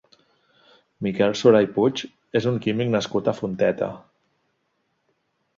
Miquel Solà i Puig és un químic nascut a Fonteta.